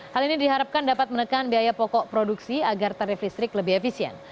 hal ini diharapkan dapat menekan biaya pokok produksi agar tarif listrik lebih efisien